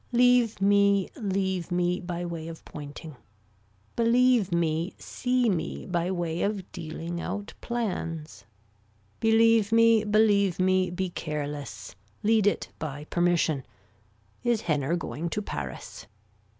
Leave me leave me by way of pointing. Believe me see me by way of dealing out plans. Believe me believe me be careless, lead it by permission. Is Henner going to Paris.